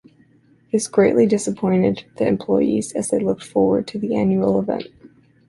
This greatly disappointed the employees as they looked forward to the annual event.